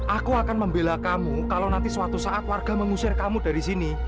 aku akan membela kamu kalau nanti suatu saat warga mengusir kamu dari sini